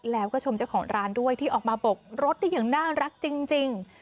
แล้วก็ชมเจ้าของร้านด้วยที่ออกมาบกรถได้อย่างน่ารักจริง